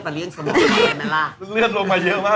ไปเลี้ยงสมองให้เล่นนะล่ะ